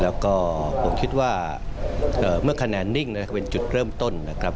แล้วก็ผมคิดว่าเมื่อคะแนนนิ่งนะครับเป็นจุดเริ่มต้นนะครับ